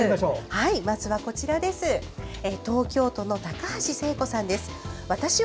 まずは東京都の高橋聖子さんです。